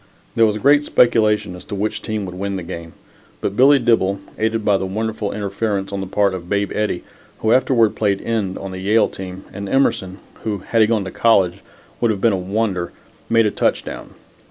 There was great speculation as to which team would win the game, but Billy Dibble, aided by the wonderful interference on the part of Babe Eddie, who afterward played end on the Yale team, and Emerson, who, had he gone to college, would have been a wonder, made a touchdown.